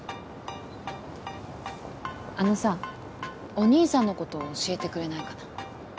あのさお兄さんのこと教えてくれないかな？